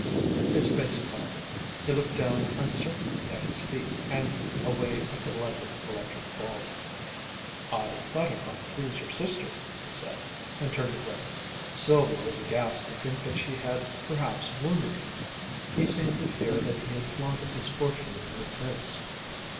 His face clouded. He looked down uncertainly at his feet and away at the lighted electric bulb. "I thought it might please your sister," he said and turned away. Sylvia was aghast to think that she had perhaps wounded him. He seemed to fear that he had flaunted his fortune in her face.